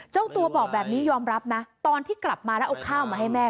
เจ้าตัวบอกแบบนี้ยอมรับนะตอนที่กลับมาแล้วเอาข้าวมาให้แม่